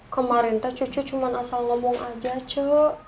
kemarin teh cucu cuma asal ngomong aja cu